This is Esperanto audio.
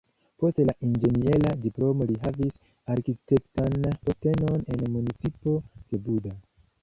Post la inĝeniera diplomo li havis arkitektan postenon en municipo de Buda.